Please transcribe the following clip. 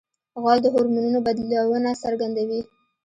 غول د هورمونونو بدلونه څرګندوي.